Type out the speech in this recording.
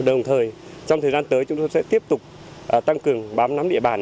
đồng thời trong thời gian tới chúng tôi sẽ tiếp tục tăng cường bám nắm địa bàn